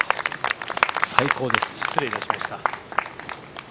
最高です、失礼いたしました。